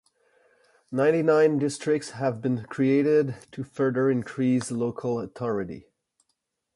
Ninety-nine districts have been created to further increase local authority.